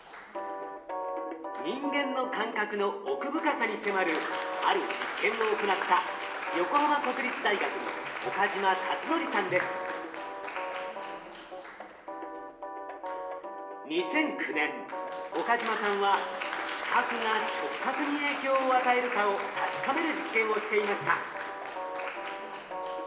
人間の感覚の奥深さに迫るある実験を行った２００９年岡嶋さんは視覚が触覚に影響を与えるかを確かめる実験をしていました。